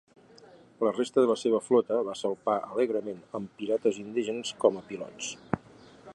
La resta de la seva flota va salpar alegrement, amb pirates indígenes com a pilots.